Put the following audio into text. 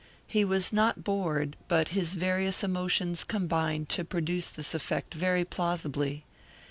He was not bored, but his various emotions combined to produce this effect very plausibly.